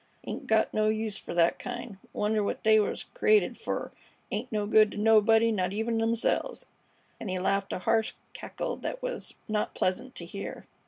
'Ain't got no use fer thet kind. Wonder what they was created fer? Ain't no good to nobody, not even 'emselves." And he laughed a harsh cackle that was not pleasant to hear.